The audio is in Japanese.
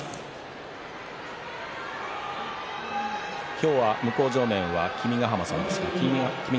今日は向正面は君ヶ濱さんです。